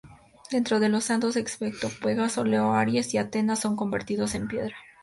Dentro todos los santos excepto Pegaso, Leo, Aries y Athena son convertidos en piedra.